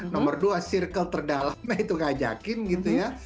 nomor dua circle terdalam itu ngajakin gitu ya